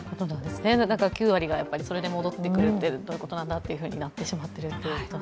だから９割がそれで戻ってくるってどういうことなんだってなってしまってるっていう。